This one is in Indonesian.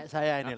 saya ini lah